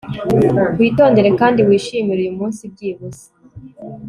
Witondere kandi wishimire uyu munsi byibuze